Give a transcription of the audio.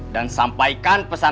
dan sampaikan pesan